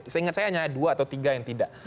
saya ingat saya hanya ada dua atau tiga yang tidak